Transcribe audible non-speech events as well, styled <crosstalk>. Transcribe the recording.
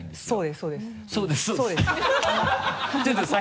「そうですそうです」 <laughs>